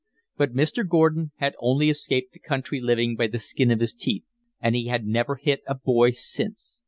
But Mr. Gordon had only escaped the country living by the skin of his teeth, and he had never hit a boy since.